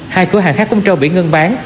hai cửa hàng khác cũng trâu bị ngưng bán